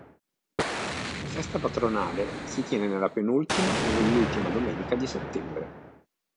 La festa patronale si tiene nella penultima o nell'ultima domenica di settembre.